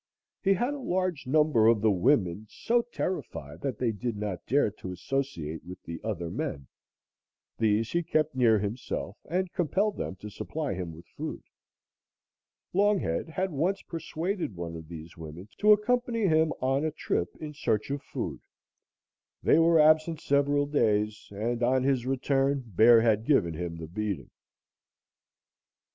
He had a large number of the women so terrified that they did not dare to associate with the other men; these he kept near himself and compelled them to supply him with food. Longhead had once persuaded one of these women to accompany him on a trip in search of food. They were absent several days, and on his return, Bear had given him the beating.